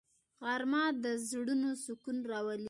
غرمه د زړونو سکون راولي